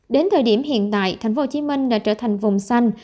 đến thời điểm hiện tại tp hcm đã trở thành vùng xanh